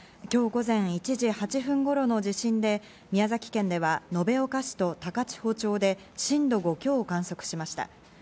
今日午前１時８分頃の地震で、宮崎県では延岡市と高千穂町で震度５強を観測しました。